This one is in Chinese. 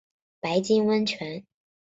白金温泉